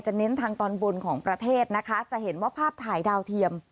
เน้นทางตอนบนของประเทศนะคะจะเห็นว่าภาพถ่ายดาวเทียม